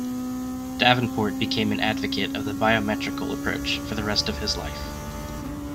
Davenport became an advocate of the biometrical approach for the rest of his life.